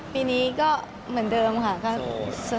ปีนี้ก็เหมือนเดิมค่ะ